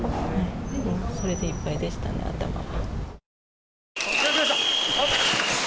それでいっぱいでしたね、頭が。